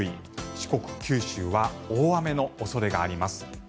四国、九州は大雨の恐れがあります。